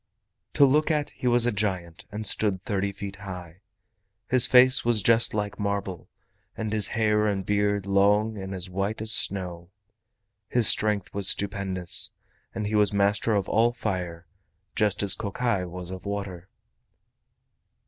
To look at he was a giant, and stood thirty feet high. His face was just like marble, and his hair and beard long and as white as snow. His strength was stupendous, and he was master of all fire just as Kokai was of water.